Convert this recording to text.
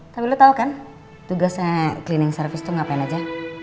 tapi lo tau kan tugasnya cleaning service itu ngapain aja